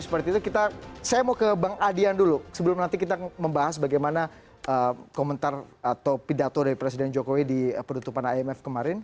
saya mau ke bang adian dulu sebelum nanti kita membahas bagaimana komentar atau pidato dari presiden jokowi di penutupan imf kemarin